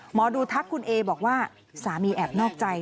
หมอดูทักคุณเอบอกว่าสามีแอบนอกใจ